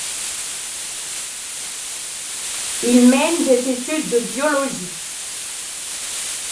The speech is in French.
Il mène des études de biologie.